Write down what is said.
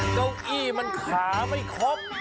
เก้าอี้มันขาไม่ครบ